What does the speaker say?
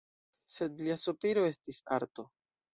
Sed lia sopiro estis arto.